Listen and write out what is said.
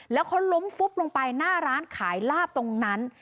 แล้วเขาล้มฟุบลงไปหน้าร้านขายลาบตรงนั้น